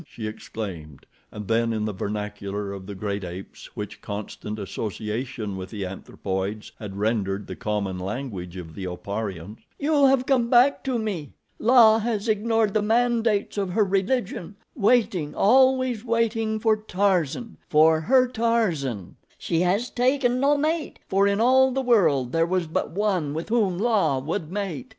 she exclaimed, and then, in the vernacular of the great apes which constant association with the anthropoids had rendered the common language of the Oparians: "You have come back to me! La has ignored the mandates of her religion, waiting, always waiting for Tarzan—for her Tarzan. She has taken no mate, for in all the world there was but one with whom La would mate.